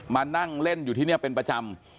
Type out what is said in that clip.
มานั่งเล่นอยู่ที่นี่เป็นประจำ